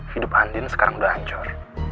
hidup andin sekarang sudah hancur